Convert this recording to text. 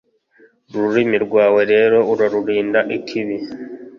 ururimi rwawe rero urarurinde ikibi